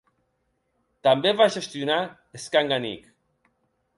També va gestionar Skanga Nig.